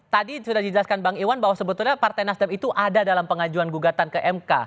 tadi sudah dijelaskan bang iwan bahwa sebetulnya partai nasdem itu ada dalam pengajuan gugatan ke mk